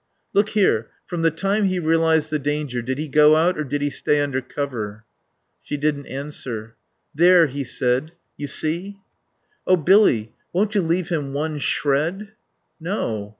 "Look here, from the time he realised the danger, did he go out or did he stay under cover?" She didn't answer. "There," he said, "you see." "Oh, Billy, won't you leave him one shred?" "No.